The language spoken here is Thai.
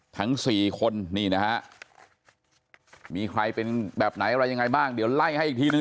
ทั้งสี่คนนี่นะฮะมีใครเป็นแบบไหนอะไรยังไงบ้างเดี๋ยวไล่ให้อีกทีนึง